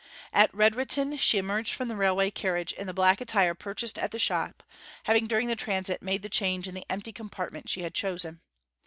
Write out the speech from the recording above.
At Redrutin she emerged from the railway carnage in the black attire purchased at the shop, having during the transit made the change in the empty compartment she had chosen.